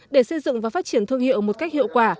để xây dựng và phát triển thương hiệu một cách hiệu quả